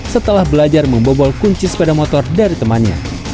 setelah belajar membobol kunci sepeda motor dari temannya